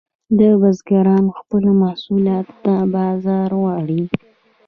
بزګران خپلو محصولاتو ته بازار غواړي